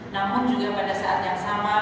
namun juga pada saat yang sama